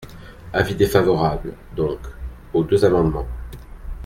Avis défavorable, donc, aux deux amendements.